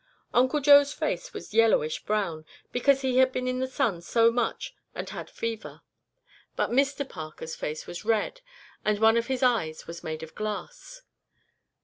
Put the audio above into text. Uncle Joe's face was yellowish brown, because he had been in the sun so much and had fever; but Mr Parker's face was red, and one of his eyes was made of glass.